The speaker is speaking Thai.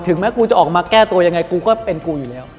แม้กูจะออกมาแก้ตัวยังไงกูก็เป็นกูอยู่แล้ว